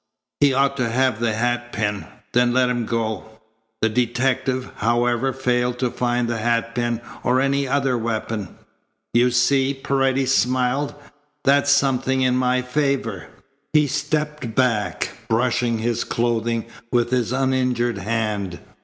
He ought to have the hatpin. Then let him go." The detective, however, failed to find the hatpin or any other weapon. "You see," Paredes smiled. "That's something in my favour." He stepped back, brushing his clothing with his uninjured hand.